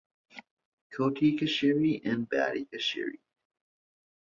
Choti Kacheri and Badi Kacheri.